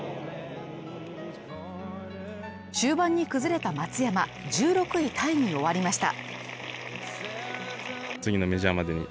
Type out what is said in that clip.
終盤に崩れた松山１６位タイに終わりました。